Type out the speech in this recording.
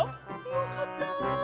よかった。